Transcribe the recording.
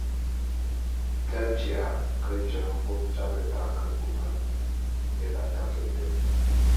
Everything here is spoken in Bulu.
J’aji’a ke jeñe vôm j’abeta ke bume ébatak été.